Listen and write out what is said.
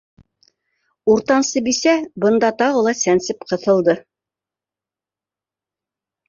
Уртансы бисә бында тағы ла сәнсеп ҡыҫылды: